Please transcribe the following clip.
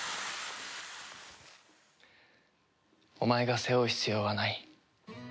お前が背負う必要はない。